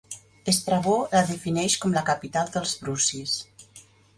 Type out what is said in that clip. Estrabó la defineix com la capital dels Brucis.